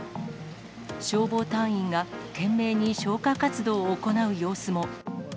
消防隊員が懸命に消火活動を行う様子も。